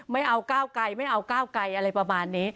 ไม่เอาคาวไกลเป็นอะไรประมาณนี้